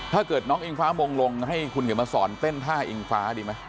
ถ้าเกิดน้องอิงฟ้ามงลงให้คุณเขียนมาสอนเต้นท่าอิงฟ้าดีไหม